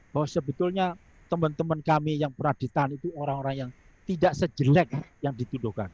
bahwa sebetulnya teman teman kami yang peradilan itu orang orang yang tidak sejelek yang dituduhkan